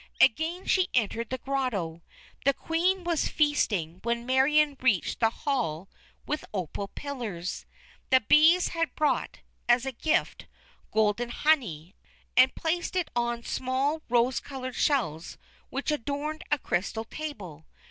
Again she entered the grotto. The Queen was feasting when Marion reached the hall with opal pillars. The bees had brought, as a gift, golden honey, and placed it on small rose coloured shells which adorned a crystal table.